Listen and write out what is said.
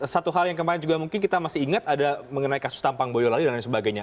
satu hal yang kemarin juga mungkin kita masih ingat ada mengenai kasus tampang boyolali dan lain sebagainya